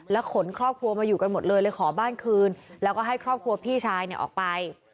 ขนครอบครัวมาอยู่กันหมดเลยเลยขอบ้านคืนแล้วก็ให้ครอบครัวพี่ชายเนี่ยออกไป